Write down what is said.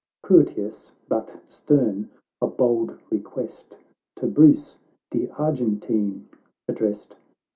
— Courteous, but stern, a bold request To Bruce De Argentine addressed.